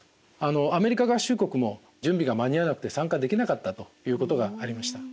アメリカ合衆国も準備が間に合わなくて参加できなかったということがありました。